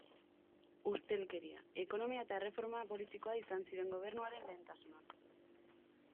Ustelkeria, ekonomia eta erreforma politikoa izango ziren gobernuaren lehentasunak.